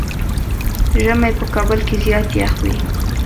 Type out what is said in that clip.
ژمی په کابل کې زيات يخ وي.